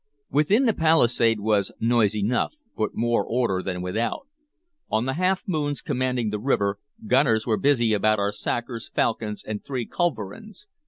Within the palisade was noise enough, but more order than without. On the half moons commanding the river, gunners were busy about our sakers, falcons, and three culverins.